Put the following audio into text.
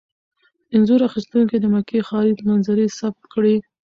انځور اخیستونکي د مکې ښاري منظرې ثبت کړي.